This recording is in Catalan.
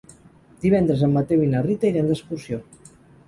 Divendres en Mateu i na Rita iran d'excursió.